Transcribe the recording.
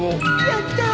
やった！